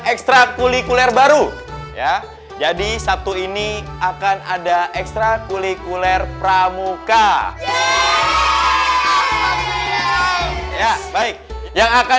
ekstra kulikuler baru ya jadi sabtu ini akan ada ekstra kulikuler pramuka ya baik yang akan